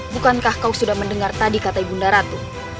bukankah kau sudah mendengar tadi kata ibunda ratu